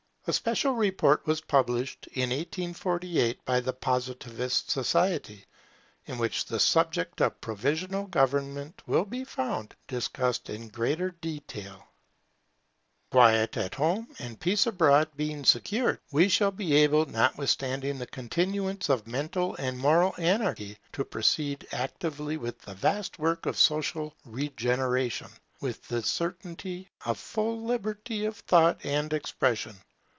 A special report was published in 1848 by the Positivist Society, in which the subject of provisional government will be found discussed in greater detail. [Positive Committee for Western Europe] Quiet at home and peace abroad being secured, we shall be able, notwithstanding the continuance of mental and moral anarchy, to proceed actively with the vast work of social regeneration, with the certainty of full liberty of thought and expression.